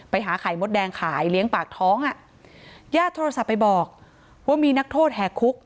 ไปหาไข่มดแดงขายเลี้ยงปากท้องอ่ะญาติโทรศัพท์ไปบอกว่ามีนักโทษแห่คุก